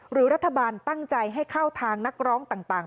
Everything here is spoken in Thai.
หรือรัฐบาลตั้งใจให้เข้าทางนักร้องต่าง